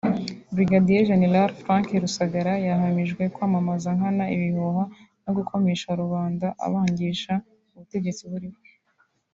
Brig Gen Frank Rusagara yahamijwe kwamamaza nkana ibihuha no kugomesha rubanda abangisha ubutegetsi buriho